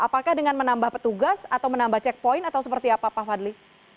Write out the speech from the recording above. apakah dengan menambah petugas atau menambah checkpoint atau seperti apa pak fadli